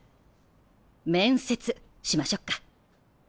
面接しましょっか。